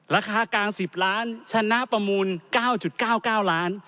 ราคากลาง๑๐ล้านชนะประมูล๙๙๙ล้าน